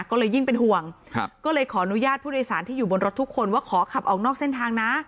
ก็เลยยิ่งเป็นห่วงก็เลยขออนุญาตผู้โดยสารที่อยู่บนรถทุกคนว่าขอขับออกนอกเส้นทางนะ